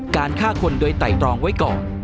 ฆ่าคนโดยไต่ตรองไว้ก่อน